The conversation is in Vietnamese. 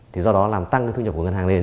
thì do đó làm tăng cái thu nhập của ngân hàng lên